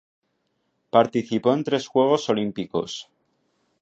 Participó en tres Juegos Olímpicos.